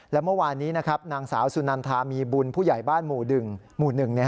และเมื่อวานนี้นะครับนางสาวสุนันทามีบุญผู้ใหญ่บ้านหมู่๑หมู่๑